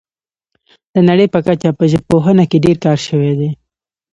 د نړۍ په کچه په ژبپوهنه کې ډیر کار شوی دی